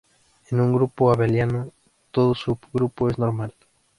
En un grupo abeliano todo subgrupo es normal.